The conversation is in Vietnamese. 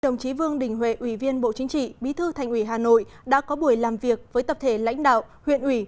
đồng chí vương đình huệ ủy viên bộ chính trị bí thư thành ủy hà nội đã có buổi làm việc với tập thể lãnh đạo huyện ủy